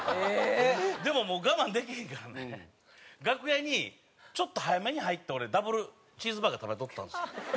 でももう我慢できへんからね楽屋にちょっと早めに入って俺ダブルチーズバーガー食べとったんですよ。